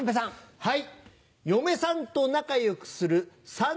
はい。